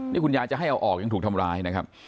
นี่คุณยายจะให้เอาออกยังถูกทำร้ายนะครับ